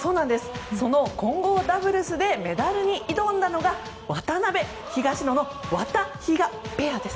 その混合ダブルスでメダルに挑んだのが渡辺、東野のワタヒガペアです。